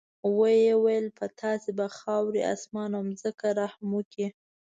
ویل یې په تاسې به خاورې، اسمان او ځمکه رحم وکړي.